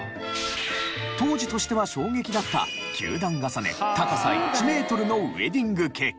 当時としては衝撃だった９段重ね高さ１メートルのウエディングケーキ。